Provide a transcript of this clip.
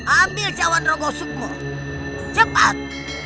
ambil cawan rogo syukur cepat